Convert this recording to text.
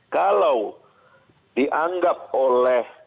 kalau dianggap oleh